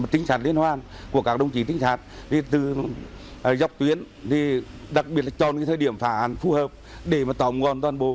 tinh sản liên hoan của các đồng chí tinh sản từ dọc tuyến đặc biệt là trong thời điểm phản phù hợp để tỏ ngon toàn bộ